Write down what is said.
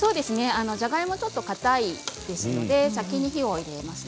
じゃがいもがかたいので先に火を入れます。